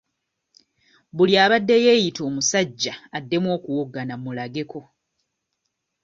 Buli abadde yeeyita omusajja addemu okuwoggana mmulageko.